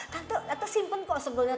tante tante simpen kok sebelnya